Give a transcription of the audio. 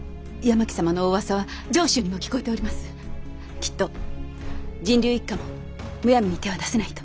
きっと神龍一家もむやみに手は出せないと。